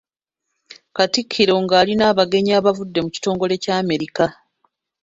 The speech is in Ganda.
Katikkiro nga ali n’abagenyi abaavudde mu kitongole ky'Amerika.